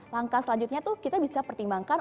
langkah selanjutnya tuh kita bisa pertimbangkan